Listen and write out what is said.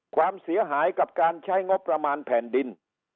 ความเสียหายกับการใช้งบประมาณแผ่นดิน